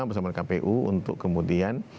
bersama kpu untuk kemudian